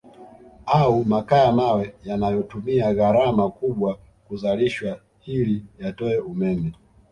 Au makaa ya mawe yanayotumia gharama kubwa kuzalishwa hili yatoe umeme